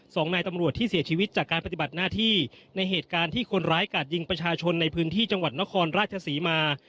สองนายตำรวจที่เสียชีวิตจากการปฏิบัติหน้าที่ในเหตุการณ์ที่คนร้ายกาดยิงประชาชนในพื้นที่จังหวัดนครราชศรีมา